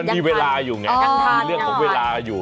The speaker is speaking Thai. มีเวลาอยู่ไงมีเรื่องของเวลาอยู่